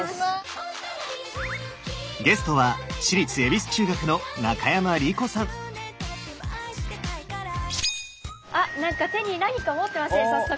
ゲストはあっなんか手に何か持ってますね早速。